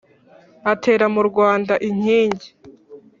atera mu rwanda inkingi